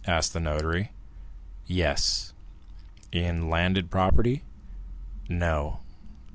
asked the notary. "Yes." "In landed property?" "No."